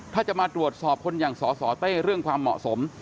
ถ้าจะมาตรวจสอบคนอย่างสสเต้เรื่องความเหมาะสม